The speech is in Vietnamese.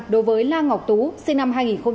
đối với lan ngọc tú sinh năm hai nghìn ba